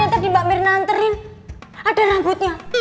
atau di mbak mir nanterin ada ragutnya